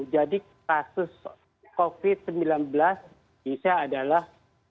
jadi kasus covid sembilan belas di indonesia adalah dua puluh lima